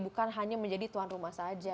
bukan hanya menjadi tuan rumah saja